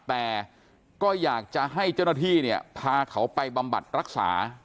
แต่ก็อยากจะให้เจ้าหน้าที่เนี่ยพาเขาไปบำบัดรักษา